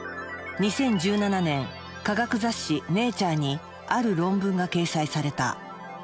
２０１７年科学雑誌「ネイチャー」にある論文が掲載された。